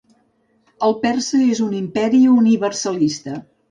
El persa és un imperi universalista.